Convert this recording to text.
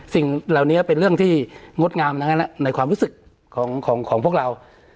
สิ่งเหล่านี้เป็นเรื่องที่งดงามทั้งนั้นในความรู้สึกของพวกเรา